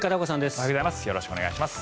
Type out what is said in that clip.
おはようございます。